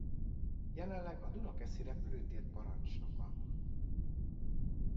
Jelenleg a Dunakeszi repülőtér parancsnoka.